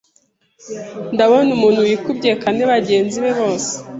Ndabona Umuntu wikubye kane bagenzibe bose